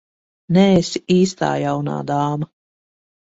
Neesi īstā jaunā dāma.